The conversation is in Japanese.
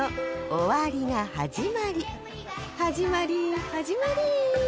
始まり始まり